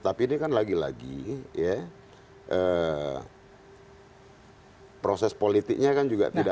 tapi ini kan lagi lagi ya proses politiknya kan juga tidak